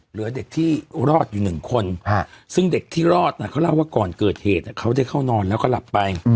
เหลือเด็กที่รอดอยู่หนึ่งคนซึ่งเด็กที่รอดเขาเล่าว่าก่อนเกิดเหตุเขาได้เข้านอนแล้วก็หลับไป